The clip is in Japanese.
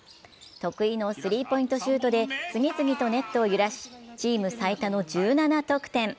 得意のスリーポイントシュートで次々とネットを揺らしチーム最多の１７得点。